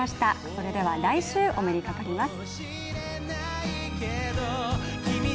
それでは来週お目にかかります。